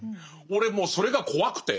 俺もうそれが怖くて。